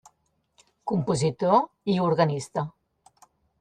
Compositor i organista.